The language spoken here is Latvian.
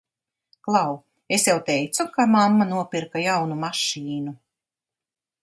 Klau, es jau teicu, ka mamma nopirka jaunu mašīnu?